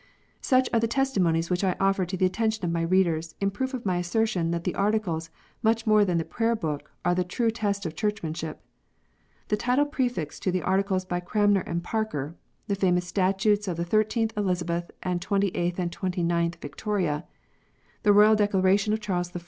Such are the testimonies which I offer to the attention of my readers, in proof of my assertion that the Articles, much more than the Prayer book, are the true test of Churchmanship. The title prefixed to the Articles by Cranmer and Parker ; the famous statutes of the 13th Elizabeth and 28th and 29th Victoria; the Royal Declaration of Charles I.